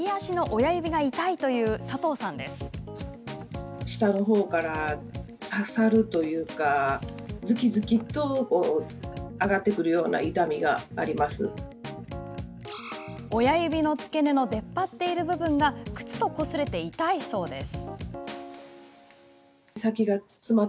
親指の付け根の出っ張っている部分が靴と、こすれて痛いそうです。